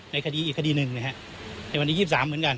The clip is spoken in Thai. ในคดีอีกคดีหนึ่งนะฮะในวันนี้ยี่สิบสามเหมือนกัน